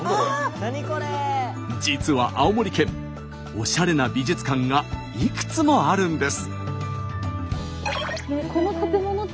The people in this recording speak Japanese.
実は青森県おしゃれな美術館がいくつもあるんです。